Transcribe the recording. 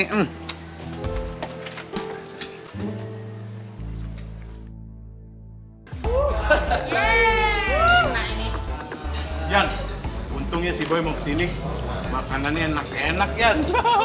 jan untungnya si boy mau ke sini makanannya enak enak jan